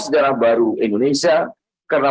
sejarah baru indonesia karena